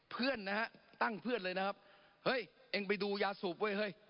เพื่อนนะฮะตั้งเพื่อนเลยนะครับเฮ้ยเองไปดูยาสูบเว้ยเฮ้ย